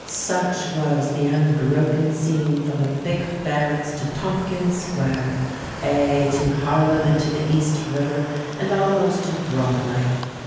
Such was the unbroken scene from the Big Barracks to Tompkins Square; ay, to Harlem and to the East River, and almost to Broadway.